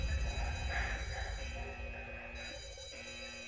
Poté strávil nějaký čas také v Heidelbergu v Německu.